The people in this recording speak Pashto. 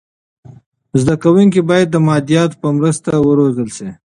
زده کونکي باید د مادیاتو په مرسته و روزل سي.